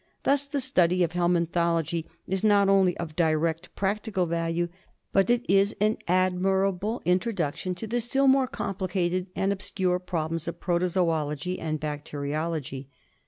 Thus the study of helminthology is not only of direct practical value, but it is an admirable introduc GUINEA WORM. 33 tion to the still more complicated and obscure problems of protozoology and bacteriology.